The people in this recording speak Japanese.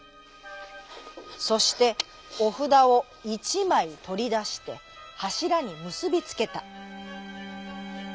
そしておふだをいちまいとりだしてはしらにむすびつけた。